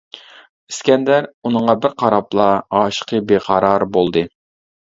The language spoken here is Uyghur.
ئىسكەندەر ئۇنىڭغا بىر قاراپلا ئاشىقى بىقارار بولدى.